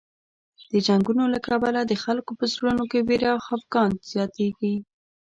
د جنګونو له کبله د خلکو په زړونو کې وېره او خفګان زیاتېږي.